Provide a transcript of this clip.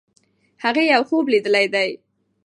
هغې یو خوب لیدلی دی.